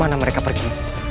kemana mereka pergi